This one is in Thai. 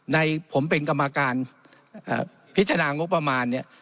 ในผมเป็นกรรมการพิจารณางบประมาณเนี่ย